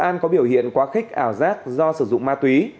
an có biểu hiện quá khích ảo giác do sử dụng ma túy